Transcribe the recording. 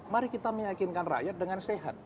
mari kita meyakinkan rakyat dengan sehat